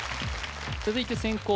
続いて先攻